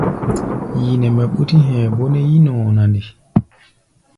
Yi nɛ mɛ ɓútí hɛ̧ɛ̧, bó nɛ́ yí-nɔɔ na nde?